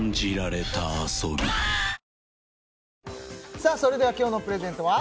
さあそれでは今日のプレゼントは？